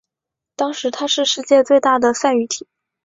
当时她是世界最大的赛渔艇。